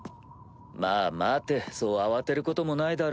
まぁ待てそう慌てることもないだろ？